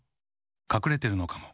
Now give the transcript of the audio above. かくれてるのかも。